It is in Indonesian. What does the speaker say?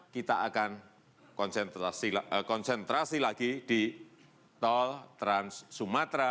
kita akan konsentrasi lagi di tol trans sumatera